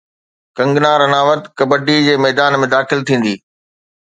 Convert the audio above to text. ڪنگنا رناوت ڪبڊي جي ميدان ۾ داخل ٿيندي